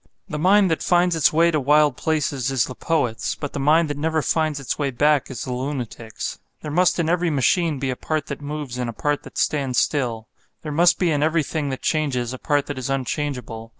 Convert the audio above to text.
The mind that finds its way to wild places is the poet's; but the mind that never finds its way back is the lunatic's. There must in every machine be a part that moves and a part that stands still; there must be in everything that changes a part that is unchangeable.